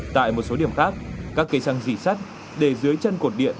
tại một số điểm khác các cây xăng dì sắt để dưới chân cột điện